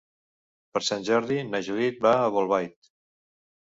Per Sant Jordi na Judit va a Bolbait.